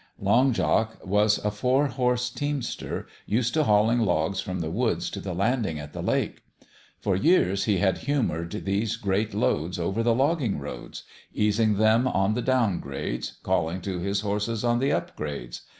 Long Jock was a four horse teamster, used to hauling logs from the woods to the landing at the lake. For years he had humoured these great loads over the logging roads easing them on the down grades, calling to his horses on the up grades.